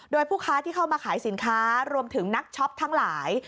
โดยผู้ค้าที่เข้ามาขายสินค้ารวมถึงนักช็อปทั้งหลาย